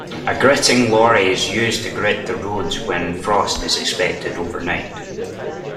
A gritting lorry is used to grit the roads when frost is expected overnight